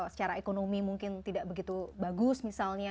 secara ekonomi mungkin tidak begitu bagus misalnya